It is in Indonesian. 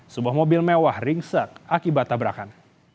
sebuah mobil mewah ringsek akibat tabrakan